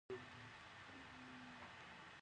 خاوره د افغانانو د اړتیاوو د پوره کولو وسیله ده.